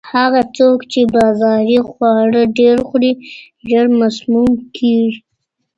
هغه څوک چې بازاري خواړه ډېر خوري، ژر مسموم کیږي.